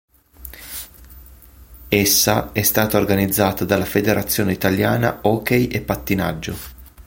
Essa è stata organizzata dalla Federazione Italiana Hockey e Pattinaggio.